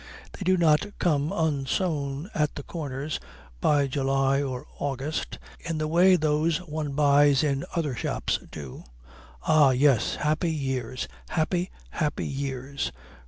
They do not come unsewn at the corners by July or August in the way those one buys in other shops do. Ah, yes. Happy years. Happy, happy years.